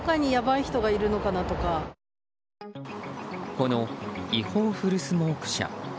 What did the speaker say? この違法フルスモーク車。